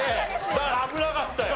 だから危なかったよ。